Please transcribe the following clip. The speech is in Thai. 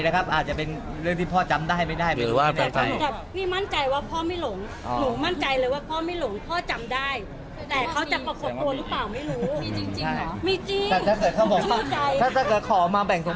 หรือเปล่าไม่รู้มีจริงหรอมีจริงถ้าเกิดเขาบอกว่าถ้าเกิดเขาบอกว่าถ้าเกิดเขาบอกว่า